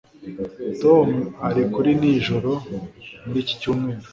Tom ari kuri nijoro muri iki cyumweru